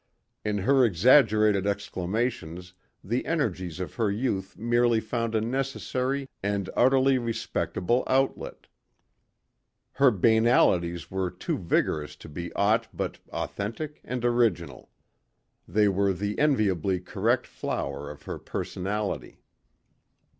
In her exaggerated exclamations the energies of her youth merely found a necessary and utterly respectable outlet. Her banalities were too vigorous to be aught but authentic and original. They were the enviably correct flower of her personality.